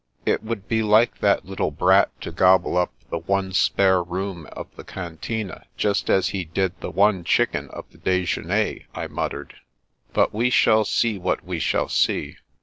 " It wQuld be like that little brat to gobble up the one spare room of the Cantine as he did the one chicken of the ' Dejeiiner/ " I muttered. " But we shall see what we shall see."